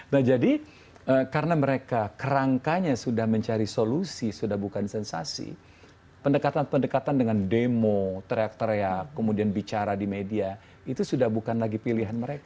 nah jadi karena mereka kerangkanya sudah mencari solusi sudah bukan sensasi pendekatan pendekatan dengan demo teriak teriak kemudian bicara di media itu sudah bukan lagi pilihan mereka